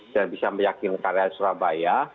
dan bisa meyakinkan rakyat surabaya